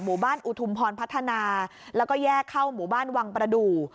หมู่บ้านอุทุมพรพัฒนาแล้วก็แยกเข้าหมู่บ้านวังประดูก